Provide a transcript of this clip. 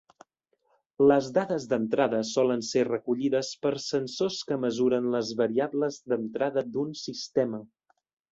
Les dades d'entrada solen ser recollides per sensors que mesuren les variables d'entrada d'un sistema.